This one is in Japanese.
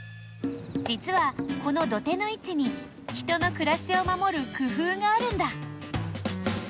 じつはこの土手のいちに人のくらしをまもる工夫があるんだ。